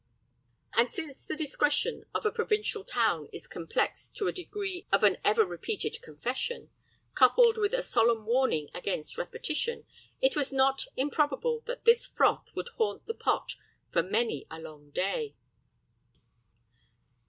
And since the discretion of a provincial town is complex to a degree of an ever repeated confession, coupled with a solemn warning against repetition, it was not improbable that this froth would haunt the pot for many a long day.